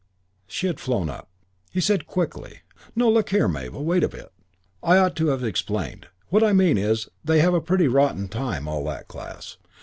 She had flown up! He said quickly, "No, but look here, Mabel, wait a bit. I ought to have explained. What I mean is they have a pretty rotten time, all that class.